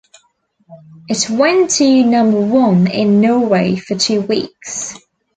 It went to number one in Norway for two weeks.